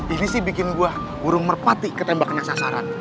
ini sih bikin gue burung merpati ketembak penasaran